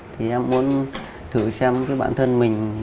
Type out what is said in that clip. thì em muốn thử xem cái bản thân mình